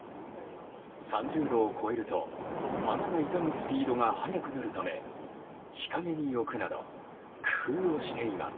３０度を超えると花が傷むスピードが早くなるため、日陰に置くなど工夫をしています。